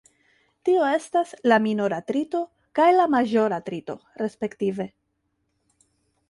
Tio estas la minora trito kaj la maĵora trito, respektive.